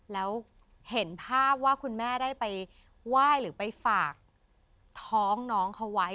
แล้วเห็นภาพว่าคุณแม่ได้ไปไหว้หรือไปฝากท้องน้องเขาไว้